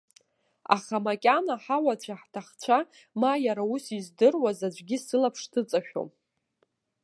Аха макьана ҳауацәа-ҳҭахцәа, ма иара ус издыруаз аӡәгьы сылаԥш дыҵашәом.